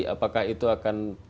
apakah itu akan